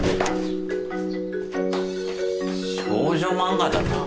少女漫画だな。